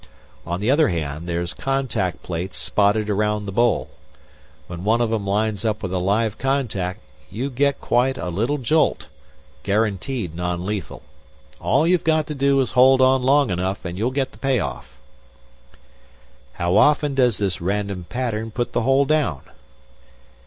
"On the other hand, there's contact plates spotted around the bowl. When one of 'em lines up with a live contact, you get quite a little jolt guaranteed nonlethal. All you've got to do is hold on long enough, and you'll get the payoff." "How often does this random pattern put the hole down?"